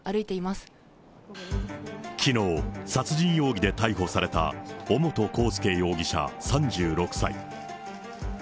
きのう、殺人容疑で逮捕された、尾本幸佑容疑者３６歳。